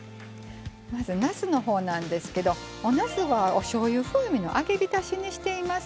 まずなすの方なんですけどおなすはおしょうゆ風味の揚げびたしにしています。